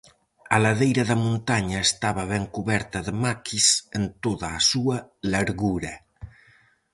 A ladeira da montaña estaba ben cuberta de maquis en toda a súa largura.